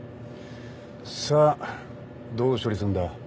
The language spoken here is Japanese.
さあどう処理すんだ？